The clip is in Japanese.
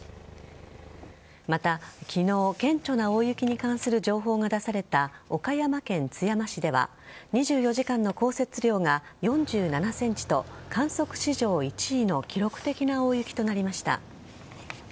また、昨日顕著な大雪に関する情報が出された岡山県津山市では２４時間の降雪量が４７ｃｍと観測史上１位の記録的な大雪となりました。